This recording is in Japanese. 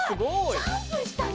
ジャンプしたね！